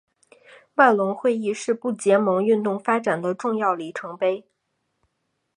万隆会议是不结盟运动发展的重要里程碑。